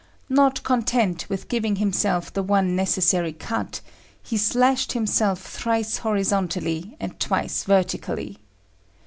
Not content with giving himself the one necessary cut, he slashed himself thrice horizontally and twice vertically.